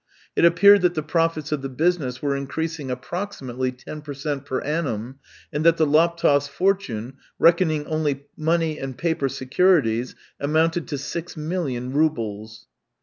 It appeared that the profits of the business were increasing approxi mately ten per cent, per annum, and that the Laptevs' fortune, reckoning only money and paper securities, amounted to six million roubles.